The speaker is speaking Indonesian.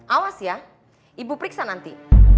awas ya ibu periksa nanti